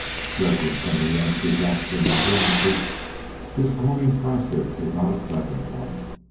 Judging from the youngster's actions and grimaces, this combing process was not a pleasant one.